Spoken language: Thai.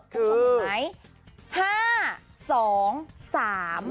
คุณผู้ชมเห็นไหม๕๒๓